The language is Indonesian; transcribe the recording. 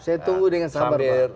saya tunggu dengan sabar